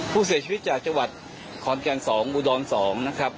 ผู้เสียชีวิตจากจังหวัดขอนแก่น๒อุดร๒นะครับ